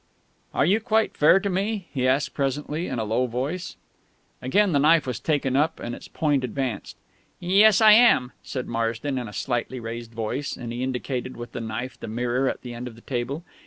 "Are you quite fair to me?" he asked presently, in a low voice. Again the knife was taken up and its point advanced. "Yes, I am," said Marsden in a slightly raised voice; and he indicated with the knife the mirror at the end of the table.